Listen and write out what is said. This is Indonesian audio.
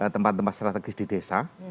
tempat tempat strategis di desa